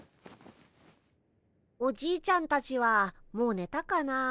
おじいちゃんたちはもうねたかな。